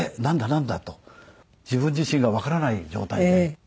なんだ？と自分自身がわからない状態で。